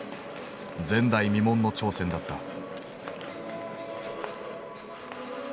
前代未聞の挑戦だった。